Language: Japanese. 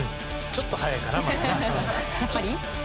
ちょっと早いかな。